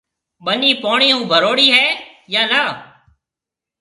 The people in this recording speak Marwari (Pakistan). ٻنِي پوڻِي هون ڀروڙِي هيَ يان نآ